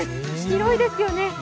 広いですよね。